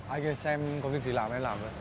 anh kìa xem có việc gì làm hay làm vậy